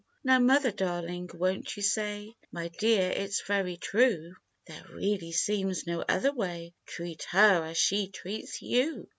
"Now, Mother, darling, won't you say, 4 My dear, it's very true, There really^ seems no other way — Treat her as she treats you